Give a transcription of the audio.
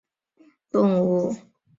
黄毛鼹属等之数种哺乳动物。